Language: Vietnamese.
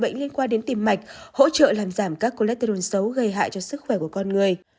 bệnh liên quan đến tim mạch hỗ trợ làm giảm cácleterun xấu gây hại cho sức khỏe của con người